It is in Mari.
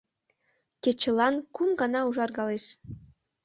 Кечылан кум гана ужаргалеш.